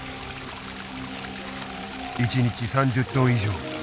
一日３０ｔ以上。